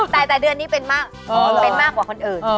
แต่เดือนนี้เป็นมากกว่าคนอื่น